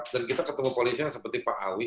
dan kita ketemu polisnya yang seperti pak awi